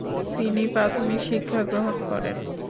তিনি প্রাথমিক শিক্ষাগ্রহণ করেন।